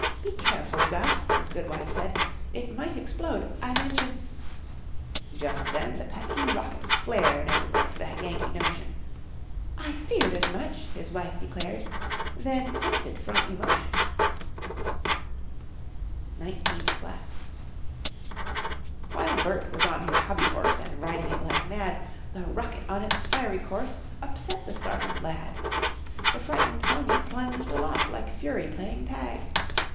"Be careful, Gus," his good wife said; "It might explode. I mention " Just then the pesky rocket flared And wrecked that Yankee notion. "I feared as much!" his wife declared; Then fainted from emotion. [Illustration: EIGHTEENTH FLAT] NINETEENTH FLAT While Burt was on his hobby horse And riding it like mad, The rocket on its fiery course Upset the startled lad. The frightened pony plunged a lot, Like Fury playing tag.